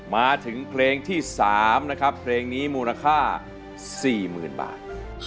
มาถึงเพลงที่๓นะครับเพลงนี้มูลค่า๔๐๐๐บาท